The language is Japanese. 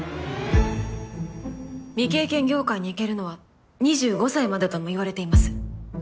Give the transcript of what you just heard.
未経験業界にいけるのは２５歳までともいわれています。